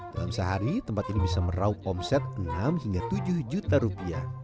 dalam sehari tempat ini bisa meraup omset enam hingga tujuh juta rupiah